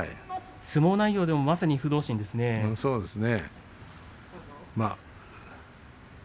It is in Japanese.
相撲内容でもまさに不動心ですね。